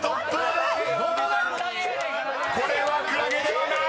［これは「クラゲ」ではない］